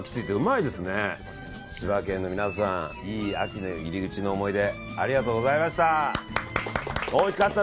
いい秋の入り口の思い出ありがとうございました。